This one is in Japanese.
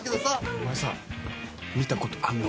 お前さ見たことあんの？